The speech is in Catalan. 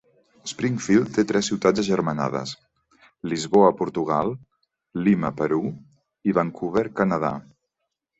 Springfield té tres ciutats agermanades, Lisboa, Portugal, Lima, Perú, i Vancouver, Canadà.